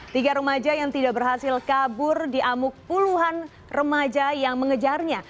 tiga remaja yang tidak berhasil kabur di amuk puluhan remaja yang mengejarnya